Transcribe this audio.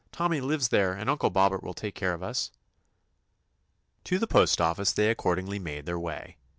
Tommy lives there, and Uncle Bobbert will take care of us.'* To the postoffice they accordingly made their way. Mr.